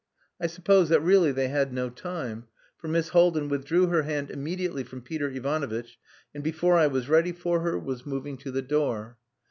I suppose that really they had no time, for Miss Haldin withdrew her hand immediately from Peter Ivanovitch and before I was ready for her was moving to the door.